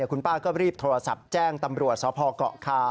คุณป้าก็รีบโทรศัพท์แจ้งตำรวจสพเกาะคา